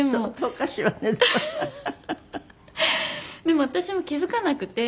でも私も気付かなくて。